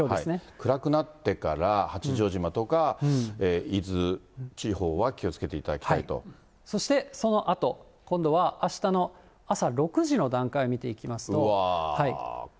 暗くなってから八丈島とか伊豆地方は気をつけていただきたいそしてそのあと、今度はあしたの朝６時の段階見ていきますと。